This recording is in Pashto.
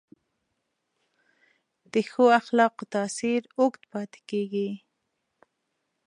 د ښو اخلاقو تاثیر اوږد پاتې کېږي.